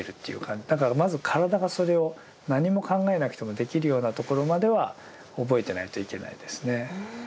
だからまず体がそれを何も考えなくてもできるようなところまでは覚えてないといけないですね。